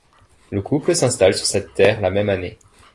Le couple s'installe sur cette terre la même année.